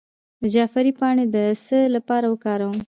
د جعفری پاڼې د څه لپاره وکاروم؟